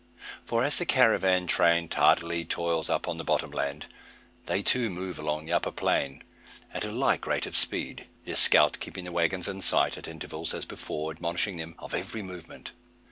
For as the caravan train tardily toils on up the bottom land, they too move along the upper plain at a like rate of speed, their scout keeping the waggons in sight, at intervals, as before, admonishing them of every movement.